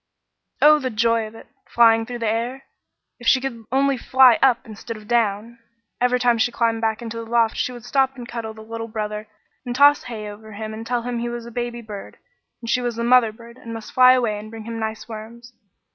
Oh, the joy of it flying through the air! If she could only fly up instead of down! Every time she climbed back into the loft she would stop and cuddle the little brother and toss hay over him and tell him he was a baby bird, and she was the mother bird, and must fly away and bring him nice worms.